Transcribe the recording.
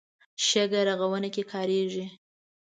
شګه رغونه کې کارېږي.